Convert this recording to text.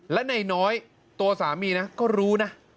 และในน้อยตัวสามีก็รู้นะ